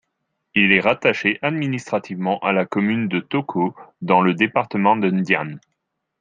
Il est rattaché administrativement à la commune de Toko, dans le département du Ndian.